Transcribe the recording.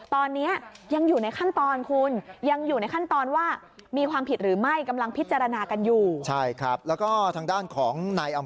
ตอนนี้ยังอยู่ในขั้นตอน